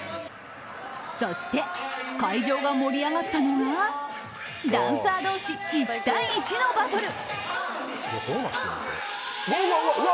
そして会場が盛り上がったのはダンサー同士、１対１のバトル。